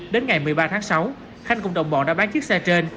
đến ngày một mươi ba tháng sáu khanh cùng đồng bọn đã bán chiếc xe trên